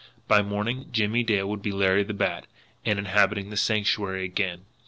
By morning, Jimmie Dale would be Larry the Bat, and inhabiting the Sanctuary again.